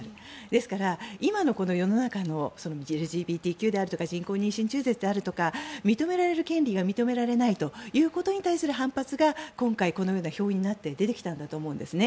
ですから、今の世の中のＬＧＢＴＱであるとか人工妊娠中絶であるとか認められる権利が認められないということに対する反発が今回このような表現になって出てきたと思うんですね。